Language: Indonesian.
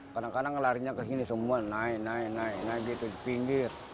kadang kadang larinya ke sini semua naik naik naik naik naik gitu di pinggir